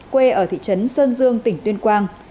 quê ở thị trấn sơn dương tỉnh tuyên quang